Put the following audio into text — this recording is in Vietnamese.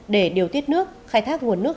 để điều tiết nước khai thác nguồn nước